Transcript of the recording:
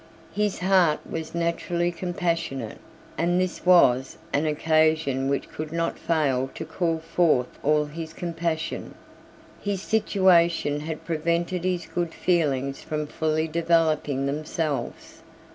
His heart was naturally compassionate; and this was an occasion which could not fail to call forth all his compassion. His situation had prevented his good feelings from fully developing themselves.